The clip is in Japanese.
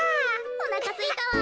おなかすいたわ。